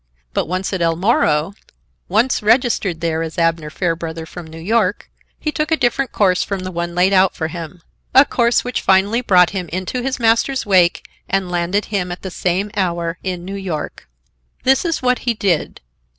But once at El Moro—once registered there as Abner Fairbrother from New York—he took a different course from the one laid out for him,—a course which finally brought him into his master's wake and landed him at the same hour in New York. This is what he did.